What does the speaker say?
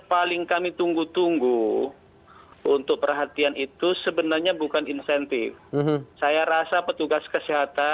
paling kami tunggu tunggu untuk perhatian itu sebenarnya bukan insentif saya rasa petugas kesehatan